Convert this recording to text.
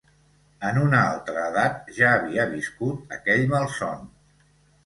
En una altra edat ja havia viscut aquell malson.